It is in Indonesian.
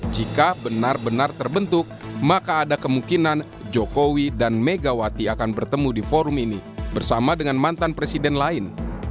jika benar benar terbentuk maka ada kemungkinan jokowi dan megawati akan bertemu di forum ini bersama dengan mantan presiden lain